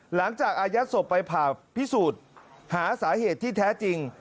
อายัดศพไปผ่าพิสูจน์หาสาเหตุที่แท้จริง